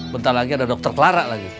bentar lagi ada dokter clara lagi